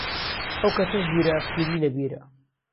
ئەو کەسە ژیرە، پیری لە بیرە